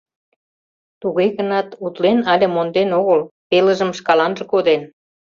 Туге гынат утлен але монден огыл — пелыжым шкаланже коден.